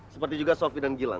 seperti juga sophie dan gilang